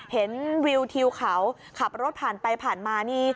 วิวทิวเขาขับรถผ่านไปผ่านมานี่